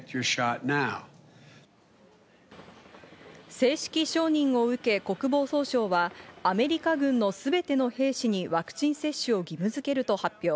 正式承認を受け、国防総省はアメリカ軍の全ての兵士にワクチン接種を義務づけると発表。